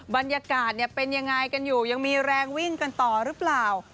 บรรยากาศเป็นยังไงกันอยู่ยังมีแรงวิ่งกันต่อหรือเปล่า